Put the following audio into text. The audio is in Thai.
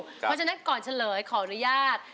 เพราะฉะนั้นก่อนเฉลยขออนุญาต